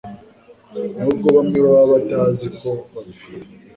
nubwo bamwe baba batazi ko babifite